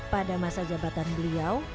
pada masa jabatan beliau